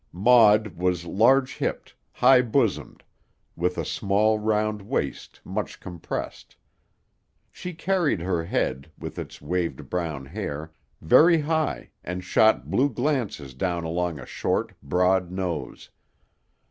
Maud was large hipped, high bosomed, with a small, round waist much compressed. She carried her head, with its waved brown hair, very high, and shot blue glances down along a short, broad nose.